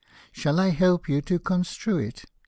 Shall I help you to construe it